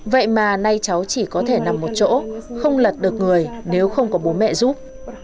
vậy mà nay cháu chỉ có thể nằm một chỗ không lật được người nếu không có bố mẹ giúp